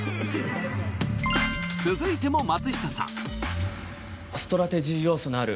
続いても松下さん